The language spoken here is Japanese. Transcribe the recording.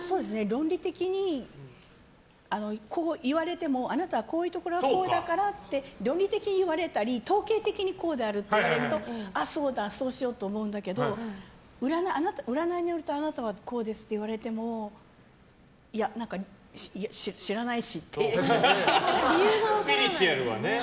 論理的にこう言われてもあなたはこういうところはこうだからって論理的に言われたり統計的にこうであると言われるとああ、そうだ、そうしようと思うんだけど占いによるとあなたはこうですって言われてもスピリチュアルはね。